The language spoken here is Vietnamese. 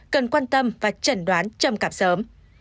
cần quan tâm và trần đoán trầm cảm sớm